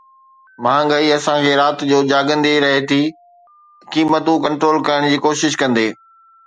مهانگائي اسان کي رات جو جاڳندي رهي ٿي قيمتون ڪنٽرول ڪرڻ جي ڪوشش ڪندي